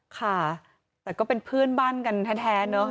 ค่ะแต่ก็เป็นเพื่อนบ้านกันแท้เนอะ